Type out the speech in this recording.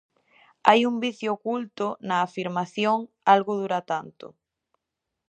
Hai un vicio oculto na afirmación "algo dura tanto".